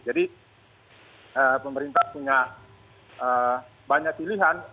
jadi pemerintah punya banyak pilihan